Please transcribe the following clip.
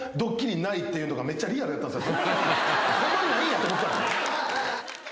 ホンマにないんやと思った。